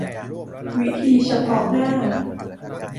วิธีเฉพาะหน้า